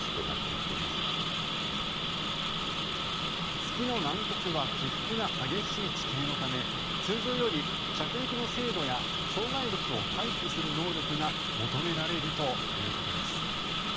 月の南極は起伏が激しい地形のため通常より着陸の精度や障害物を回避する能力が求められるということです。